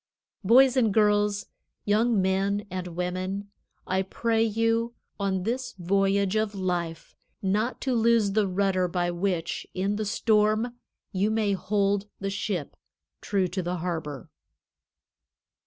Boys and girls, young men and women, I pray you, on this voyage of life, not to lose the rudder by which, in the storm, you may hold the ship true to the harbor.